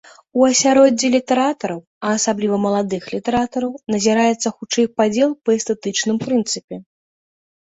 У асяроддзі літаратараў, а асабліва маладых літаратараў, назіраецца хутчэй падзел па эстэтычным прынцыпе.